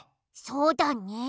そうだね。